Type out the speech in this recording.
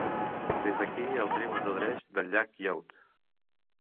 Des d'aquí el riu es nodreix del llac Youd.